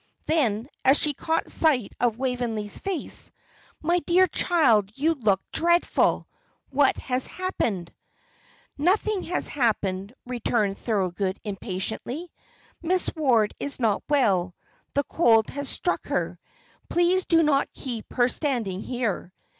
Then, as she caught sight of Waveney's face, "My dear child, you look dreadful. What has happened?" "Nothing has happened," returned Thorold, impatiently. "Miss Ward is not well; the cold has struck her. Please do not keep her standing here."